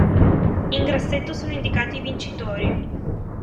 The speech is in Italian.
In grassetto sono indicati i vincitori.